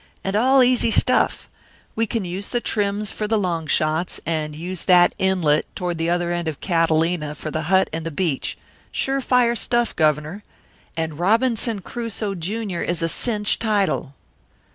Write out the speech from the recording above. And all easy stuff. We can use the trims for the long shots, and use that inlet, toward the other end of Catalina for the hut and the beach; sure fire stuff, Governor and Robinson Crusoe, Junior is a cinch title."